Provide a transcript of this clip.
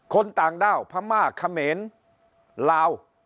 ต่างด้าวพม่าเขมรลาว